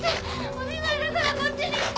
お願いだからこっちに来て！